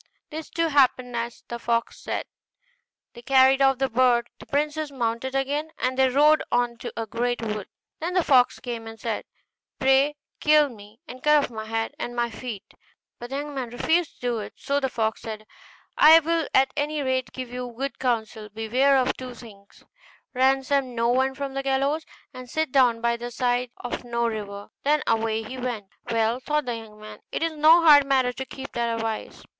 This, too, happened as the fox said; they carried off the bird, the princess mounted again, and they rode on to a great wood. Then the fox came, and said, 'Pray kill me, and cut off my head and my feet.' But the young man refused to do it: so the fox said, 'I will at any rate give you good counsel: beware of two things; ransom no one from the gallows, and sit down by the side of no river.' Then away he went. 'Well,' thought the young man, 'it is no hard matter to keep that advice.